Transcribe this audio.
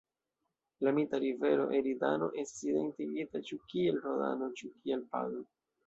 La mita rivero Eridano estas identigita ĉu kiel Rodano, ĉu kiel Pado.